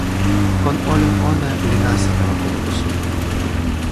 kon olin ona li nasa tawa kulupu suli.